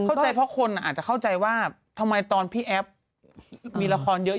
เข้าใจเพราะคนอาจจะเข้าใจว่าทำไมตอนพี่แอฟมีละครเยอะ